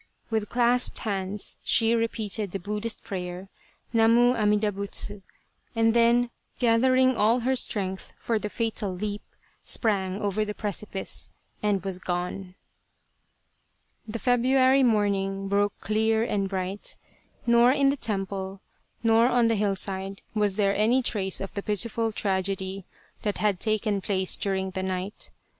With clasped hands she repeated the Buddhist prayer, " Namu Amida Butsu" and then, gathering all her strength for the fatal leap, sprang over the precipice and was gone. The February morning broke clear and bright. Nor in the temple nor on the hillside was there any trace of the pitiful tragedy that had taken place during the night.